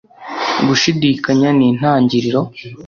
gushidikanya ni ntangiriro